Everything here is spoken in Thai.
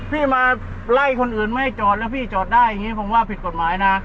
พี่มาไล่คนอื่นไม่ให้จอดแล้วพี่จอดได้อย่างนี้ผมว่าผิดกฎหมายนะ